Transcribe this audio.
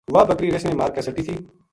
واہ بکری رِچھ نے مار کے سٹی تھی